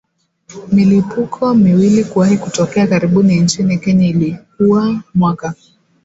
Milipuko miwili kuwahi kutokea karibuni nchini Kenya ilikuwa mwaka